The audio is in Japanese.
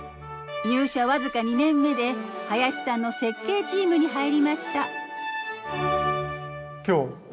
入社僅か２年目で林さんの設計チームに入りました。